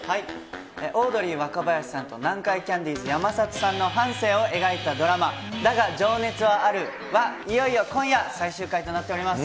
オードリー・若林さんと南海キャンディーズ・山里さんの半生を描いたドラマ、だが、情熱はあるはいよいよ今夜、最終回となっています。